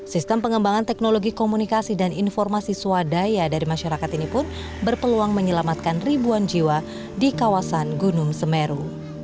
sistem pengembangan teknologi komunikasi dan informasi swadaya dari masyarakat ini pun berpeluang menyelamatkan ribuan jiwa di kawasan gunung semeru